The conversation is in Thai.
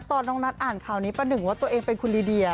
ตอนน้องนัทอ่านข่าวนี้ประหนึ่งว่าตัวเองเป็นคุณลีเดีย